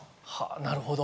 なるほど。